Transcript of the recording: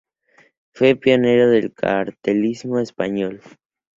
Fue pionero del cartelismo español.